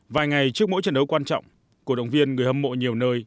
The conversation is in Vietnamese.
vài ngày trước mỗi trận đấu quan trọng cổ động viên người hâm mộ nhiều nơi